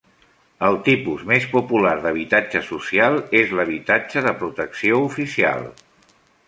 El tipus més popular d'habitatge social és l'habitatge de protecció oficial